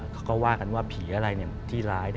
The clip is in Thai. เขาก็ว่ากันว่าผีอะไรที่ร้าย